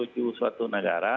menuju suatu negara